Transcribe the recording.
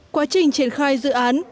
quá trình triển khai dự án